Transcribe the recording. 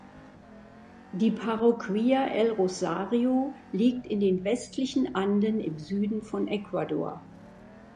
Die Parroquia El Rosario liegt in den westlichen Anden im Süden von Ecuador.